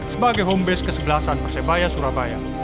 sebagai homebase kesebelasan aceh baya surabaya